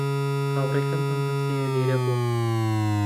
هاوڕێکەم ئەم هەفتەیە لێرە بووە.